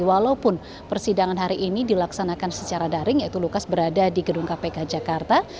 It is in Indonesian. walaupun persidangan hari ini dilaksanakan secara daring yaitu lukas berada di gedung kpk jakarta